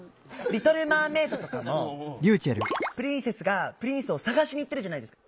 「リトルマーメイド」とかもプリンセスがプリンスを探しに行ってるじゃないですか。